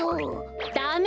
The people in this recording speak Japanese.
ダメ！